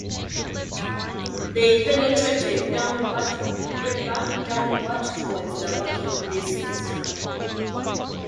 They penetrated downward, ever downward, towards the working places.